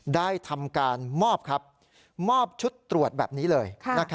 ได้ทำการมอบชุดตรวจแบบนี้เลย